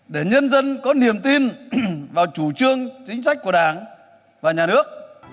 để nhân dân có niềm tin vào chủ trương chính sách của đảng và nhà nước